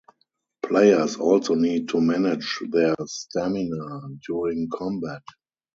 Players also need to manage their stamina during combat.